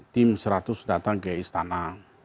tim seratus datang ke istana